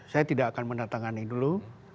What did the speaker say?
saya tidak akan mendatangkan dulu